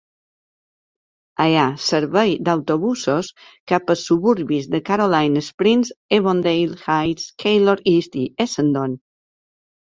Hi has servei d'autobusos cap als suburbis de Caroline Springs, Avondale Heights, Keilor East i Essendon.